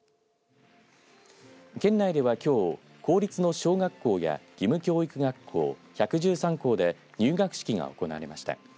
県内ではきょう公立の小学校や義務教育学校１１３校で入学式が行われました。